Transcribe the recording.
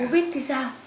covid thì sao